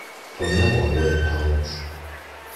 From now on we're pals.